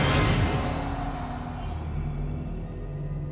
poin biasa haberu bukelijkamu